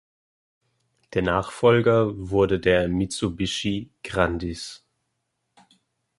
Der Nachfolger wurde der Mitsubishi Grandis.